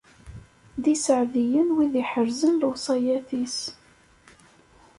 D iseɛdiyen wid iḥerrzen lewṣayat-is.